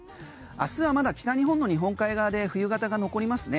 明日はまだ北日本の日本海側で冬型が残りますね。